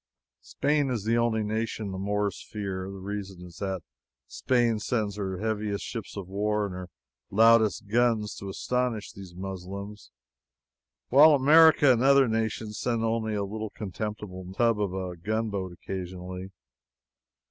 Spain is the only nation the Moors fear. The reason is that Spain sends her heaviest ships of war and her loudest guns to astonish these Muslims, while America and other nations send only a little contemptible tub of a gunboat occasionally.